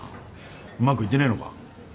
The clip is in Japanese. うまくいってねえのか？